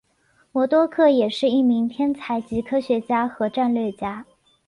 魔多客也是一名天才级科学家和战略家。